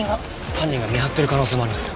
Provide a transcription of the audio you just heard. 犯人が見張ってる可能性もあります。